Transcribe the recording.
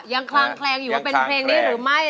คลางแคลงอยู่ว่าเป็นเพลงนี้หรือไม่